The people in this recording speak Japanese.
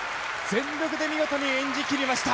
全力で見事に演じきりました。